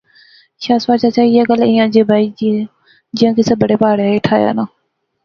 شاہ سوار چچا ایہہ گل ایہھاں جئے بائی جیاں کُسے بڑے پہارے ہیٹھ آیا ناں